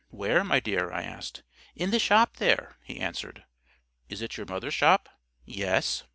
"Where, my dear?" I asked. "In the shop there," he answered. "Is it your mother's shop?" "Yes."